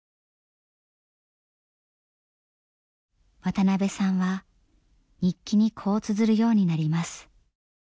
渡邊さんは日記にこうつづるようになります。